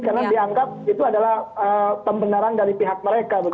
karena dianggap itu adalah pembenaran dari pihak mereka begitu